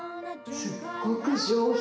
すっごく上品。